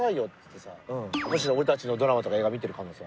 俺たちのドラマとか映画見てる可能性。